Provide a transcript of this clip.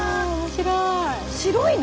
白いね。